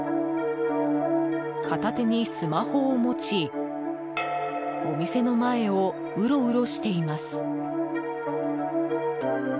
片手にスマホを持ちお店の前をうろうろしています。